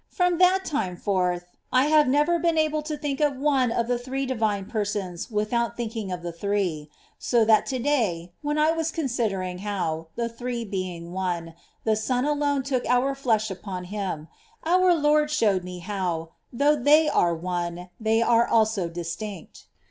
From that time forth I have never been able to think of One of the Three Divine Persons without thinking of the Three ; so that to day, when I was considering how, the Three being One, the Son alone took our flesh upon Him, our Lord showed me how, though They are One, They are also distinct.